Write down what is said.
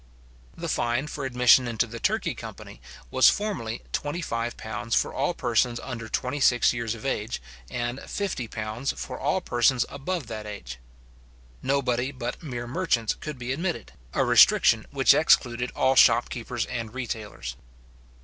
The fine for admission into the Turkey company was formerly twenty five pounds for all persons under twenty six years of age, and fifty pounds for all persons above that age. Nobody but mere merchants could be admitted; a restriction which excluded all shop keepers and retailers.